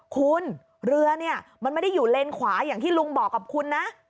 คุณเรือเนี่ยมันไม่ได้อยู่เลนขวาอย่างที่ลุงบอกกับคุณนะ